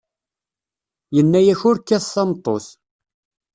Yenna-ak ur kkat tameṭṭut.